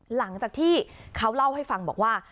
หลังจากที่เขาเล่าให้ฟังบอกว่า